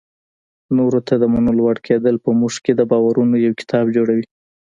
نورو ته د منلو وړ کېدل په موږ کې د باورونو یو کتاب جوړوي.